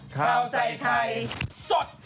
ข้าวใส่ไทยสด